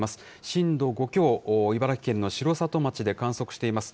震度５強、茨城県の城里町で観測しています。